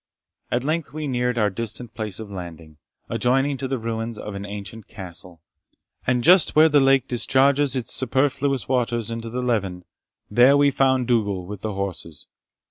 At length we neared our distant place of landing, adjoining to the ruins of an ancient castle, and just where the lake discharges its superfluous waters into the Leven. There we found Dougal with the horses.